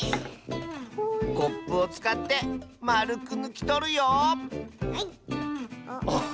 コップをつかってまるくぬきとるよはい。